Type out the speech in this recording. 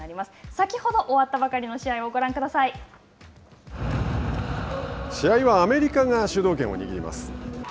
先ほど終わったばかりの試合を試合はアメリカが主導権を握ります。